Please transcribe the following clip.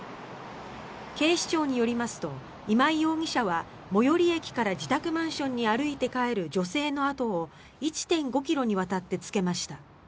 警視庁によりますと今井容疑者は最寄駅から自宅マンションに歩いて帰る女性の後を１．５ｋｍにわたってつけました。